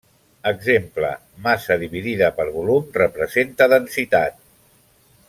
Exemple: massa dividida per volum representa densitat.